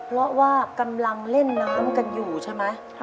เพราะว่ากำลังเล่นน้ำกันอยู่ใช่ไหม